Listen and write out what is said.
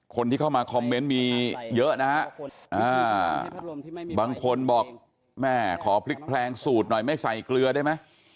คนที่เข้ามาคอมเมนต์มีเยอะนะฮะบางคนบอกแม่ขอพลิกแพลงสูตรหน่อยไม่ใส่เกลือได้ไหม